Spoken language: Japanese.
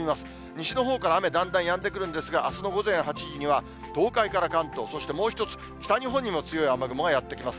西のほうから雨、だんだんやんでくるんですが、あすの午前８時には東海から関東、そしてもう一つ、北日本にも強い雨雲がやって来ます。